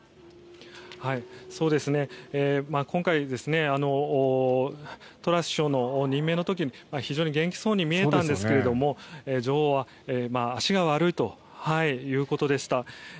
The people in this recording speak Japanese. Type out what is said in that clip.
今回トラス首相の任命の時に非常に元気そうに見えたんですが女王は足が悪いということでした。